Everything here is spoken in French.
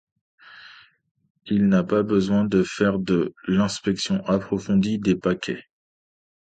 Il n’a pas besoin de faire de l'inspection approfondie des paquets.